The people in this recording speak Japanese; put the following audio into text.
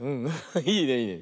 いいねいいね。